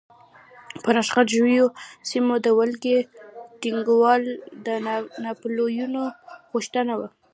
پر اشغال شویو سیمو د ولکې ټینګول د ناپلیون غوښتنه وه.